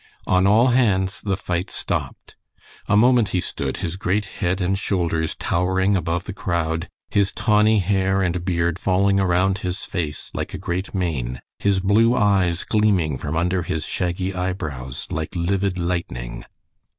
On all hands the fight stopped. A moment he stood, his great head and shoulders towering above the crowd, his tawny hair and beard falling around his face like a great mane, his blue eyes gleaming from under his shaggy eyebrows like livid lightning.